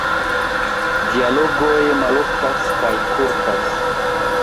Dialogoj maloftas kaj kurtas.